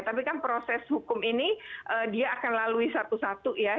tapi kan proses hukum ini dia akan lalui satu satu ya